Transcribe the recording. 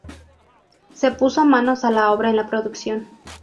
Se puso manos a la obra en la producción.